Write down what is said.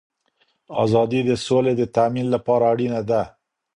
آزادي د سولی د تأمین لپاره اړینه ده.